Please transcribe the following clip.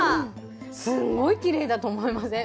すんごいきれいだと思いません？